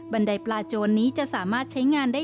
เพื่อให้ปลาสามารถขึ้นไปวางไข่ที่บริเวณเหนือเคลื่อนได้